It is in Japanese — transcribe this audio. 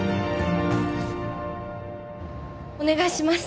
お願いします